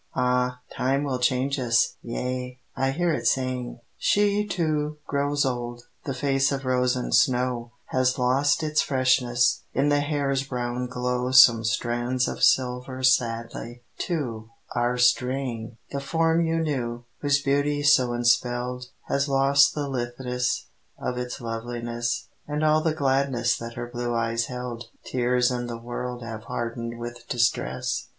Ah, time will change us; yea, I hear it saying, "She, too, grows old: the face of rose and snow Has lost its freshness: in the hair's brown glow Some strands of silver sadly, too, are straying. The form you knew, whose beauty so enspelled, Has lost the litheness of its loveliness: And all the gladness that her blue eyes held Tears and the world have hardened with distress."